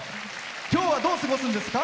今日はどう過ごすんですか？